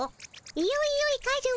よいよいカズマ。